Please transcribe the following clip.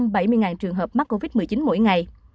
và một trăm bảy mươi trường hợp mắc covid một mươi chín mỗi ngày